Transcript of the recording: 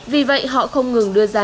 vì vậy họ không ngừng đưa ra